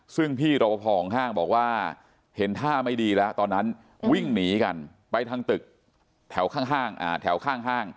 ซึ่งพี่รอปภของห้างบอกว่าเห็นท่าไม่ดีแล้วตอนนั้นวิ่งหนีกันไปทางตึกแถวข้างแถวข้างห้าง